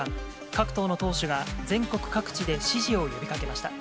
各党の党首が全国各地で支持を呼びかけました。